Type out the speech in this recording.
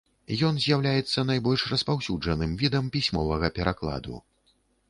Ён з'яўляецца найбольш распаўсюджаным відам пісьмовага перакладу.